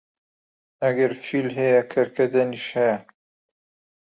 ئەگەر فیل هەیە، کەرگەدەنیش هەیە